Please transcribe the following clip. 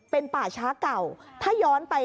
เป็นป่าช้าเก่า